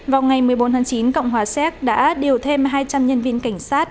vào ngày một mươi bốn tháng chín cộng hòa séc đã điều thêm hai trăm linh nhân viên cảnh sát